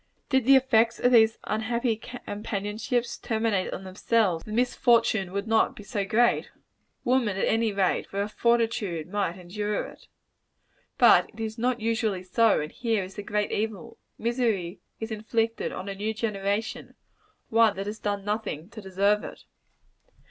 Did the effects of these unhappy companionships terminate on themselves, the misfortune would not be so great. Woman, at any rate, with her fortitude, might endure it. But it is not usually so; and here is the great evil. Misery is inflicted on a new generation; one that has done nothing to deserve it.